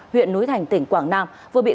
huyện núi thành tỉnh quảng nam